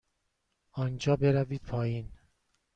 آنجا بروید پایین.